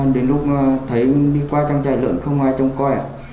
đến lúc thấy đi qua trang trại lượn không ai trông coi ạ